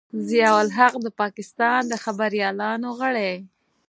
ضیا الحق د پاکستان د خبریالانو غړی.